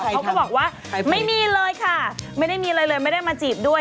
เขาก็บอกว่าไม่มีเลยค่ะไม่ได้มีอะไรเลยไม่ได้มาจีบด้วย